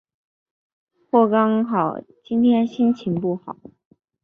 或刚好今天心情不好？